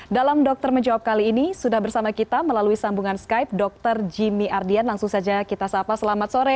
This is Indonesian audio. dalam dokter menjawab kali ini sudah bersama kita melalui sambungan skype dr jimmy ardian langsung saja kita sapa selamat sore